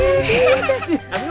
iya pak sal